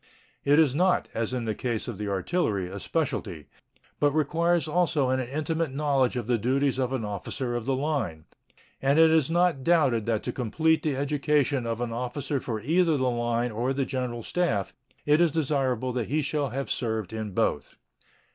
It is not, as in the case of the artillery, a specialty, but requires also an intimate knowledge of the duties of an officer of the line, and it is not doubted that to complete the education of an officer for either the line or the general staff it is desirable that he shall have served in both.